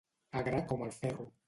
Agre com el ferro.